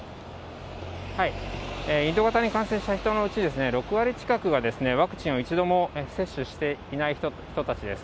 インド型に感染した人のうち６割近くが、ワクチンを１度も接種していない人たちです。